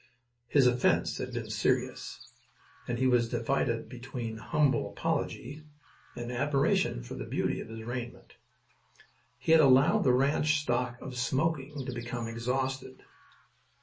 His offence had been serious, and he was divided between humble apology and admiration for the beauty of his raiment. He had allowed the ranch stock of "smoking" to become exhausted.